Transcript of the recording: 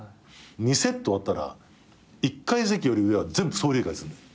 ２セット終わったら１階席より上は総入れ替えすんの。